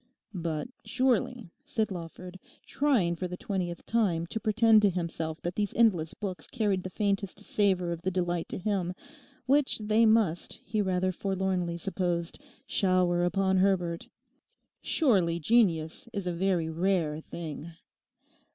'But surely,' said Lawford, trying for the twentieth time to pretend to himself that these endless books carried the faintest savour of the delight to him which they must, he rather forlornly supposed, shower upon Herbert, 'surely genius is a very rare thing!